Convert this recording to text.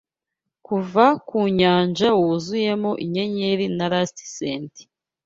Kuva mu Nyanja wuzuyemo inyenyeri na lactescent